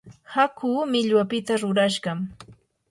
hakuu millwapita rurashqam.